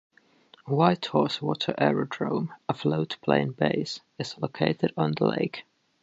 Whitehorse Water Aerodrome, a float plane base, is located on the lake.